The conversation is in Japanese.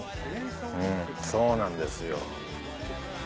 うんそうなんですよ。